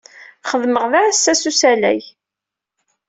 Xeddmeɣ d aɛessas n usalay